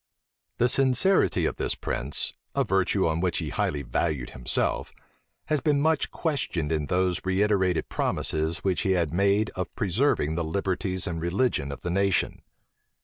The sincerity of this prince (a virtue on which he highly valued himself) has been much questioned in those reiterated promises which he had made of preserving the liberties and religion of the nation.